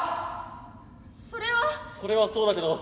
それは。それはそうだけど。